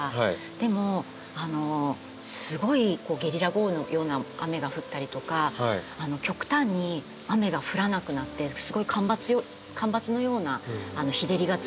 でもすごいゲリラ豪雨のような雨が降ったりとか極端に雨が降らなくなってすごい干ばつのような日照りが続いたり。